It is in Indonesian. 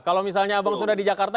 kalau misalnya abang sudah di jakarta